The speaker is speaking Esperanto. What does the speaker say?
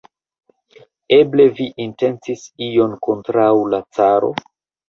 Eble vi intencis ion kontraŭ la caro?